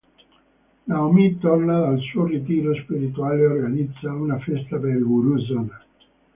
Naomi torna dal suo ritiro spirituale e organizza una festa per Guru Sona.